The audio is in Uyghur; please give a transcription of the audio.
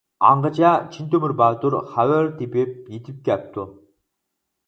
ئاڭغىچە چىن تۆمۈر باتۇر خەۋەر تېپىپ يېتىپ كەپتۇ.